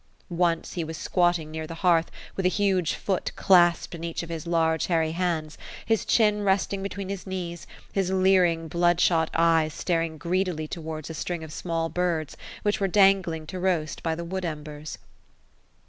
Once, he was squat ting near the hearth, with a huge foot clasped in each of his large hairy hands, his chin resting between his knees, his leering blood shot eyes staring greedily towards a string of small birds, which were dangling to roast, by the wood embers.